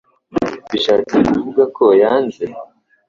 bishatse kuvuga ko yanze